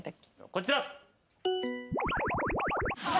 こちら。